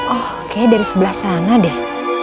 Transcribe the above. oh kayaknya dari sebelah sana deh